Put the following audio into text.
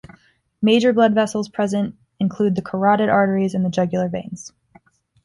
Major blood vessels present include the carotid arteries and the jugular veins.